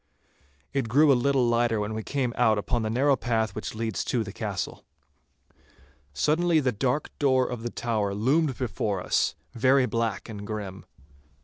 It grew a little lighter when we came out upon the narrow path which leads to the castle. Suddenly the dark door of the tower loomed before us, very black and grim.